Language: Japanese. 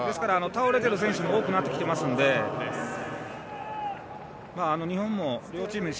倒れている選手多くなってきましたので日本も両チームとも